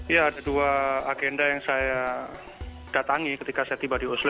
ya ada dua agenda yang saya datangi ketika saya tiba di oslo